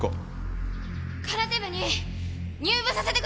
空手部に入部させてください！